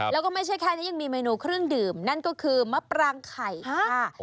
แล้วก็ไม่ใช่แค่นี้ยังมีเมนูเครื่องดื่มนั่นก็คือมะปรางไข่ค่ะ